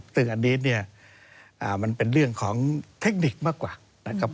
ซึ่งอันนี้เป็นเรื่องของเทคนิคมากกว่า